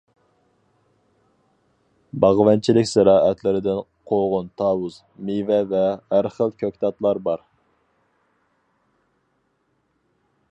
باغۋەنچىلىك زىرائەتلىرىدىن قوغۇن-تاۋۇز، مېۋە ۋە ھەر خىل كۆكتاتلار بار.